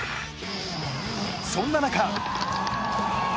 そんな中。